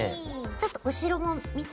ちょっと後ろも見ていい？